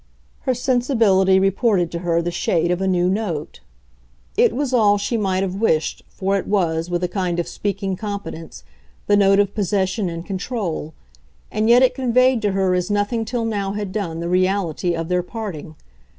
her sensibility reported to her the shade of a new note. It was all she might have wished, for it was, with a kind of speaking competence, the note of possession and control; and yet it conveyed to her as nothing till now had done the reality of their parting.